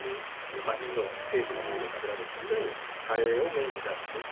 今インドの西部の方で食べられてるカレーをメインに出してて。